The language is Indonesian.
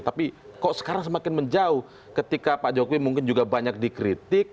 tapi kok sekarang semakin menjauh ketika pak jokowi mungkin juga banyak dikritik